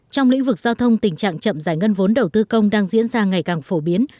trong lĩnh vực giao thông tình trạng chậm giải ngân vốn đầu tư công đang diễn ra ngày càng phổ biến